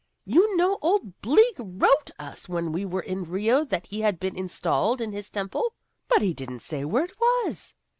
You know old Bleak wrote us when we were in Rio that he had been installed in his temple, but he didn't say where it was.